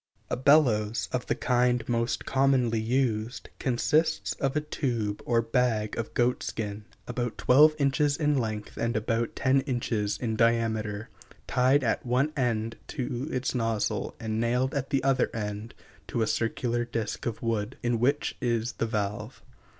] A bellows, of the kind most commonly used, consists of a tube or bag of goatskin, about twelve inches in length and about ten inches in diameter, tied at one end to its nozzle and nailed at the other to a circular disk of wood, in which is the valve.